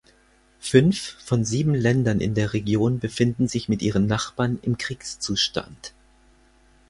Fünf von sieben Ländern in der Region befinden sich mit ihren Nachbarn im Kriegszustand.